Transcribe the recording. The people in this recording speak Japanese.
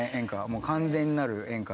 もう完全なる演歌。